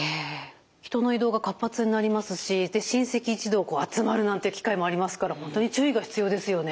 人の移動が活発になりますし親戚一同こう集まるなんていう機会もありますから本当に注意が必要ですよね。